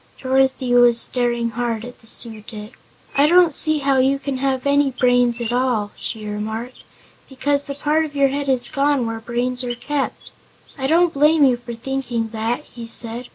Dorothy was staring hard at the Su dic. "I don't see how you can have any brains at all," she remarked, "because the part of your head is gone where brains are kept." "I don't blame you for thinking that," he said.